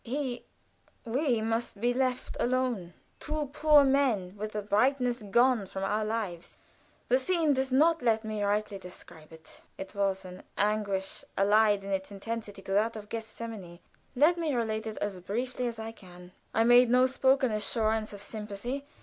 He we must be left alone; two poor men, with the brightness gone from our lives. The scene does not let me rightly describe it. It was an anguish allied in its intensity to that of Gethsemane. Let me relate it as briefly as I can. I made no spoken assurance of sympathy.